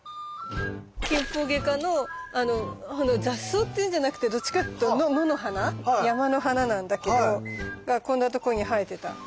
キンポウゲ科の雑草っていうんじゃなくてどっちかっていうと野の花山の花なんだけどこんな所に生えてた。